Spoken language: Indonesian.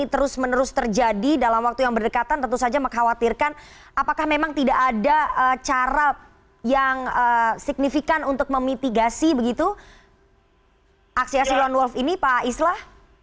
terus menerus terjadi dalam waktu yang berdekatan tentu saja mengkhawatirkan apakah memang tidak ada cara yang signifikan untuk memitigasi begitu aksi aksi lone wolf ini pak islah